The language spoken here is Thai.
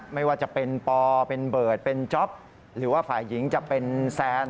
ไม่ว่าจะเป็นปอเป็นเบิร์ตเป็นจ๊อปหรือว่าฝ่ายหญิงจะเป็นแซน